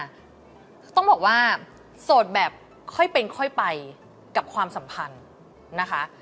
ต้องบอกว่าโสดแบบค่อยเป็นค่อยไปกับความสัมพันธ์นะคะ